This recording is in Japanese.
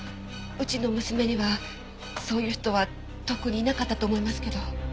うちの娘にはそういう人は特にいなかったと思いますけど。